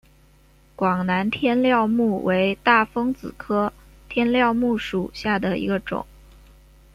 广南天料木为大风子科天料木属下的一个种。